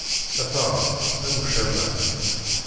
A taɣaṭ, am ucamar!